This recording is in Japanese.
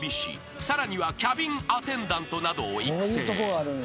［さらにはキャビンアテンダントなどを育成］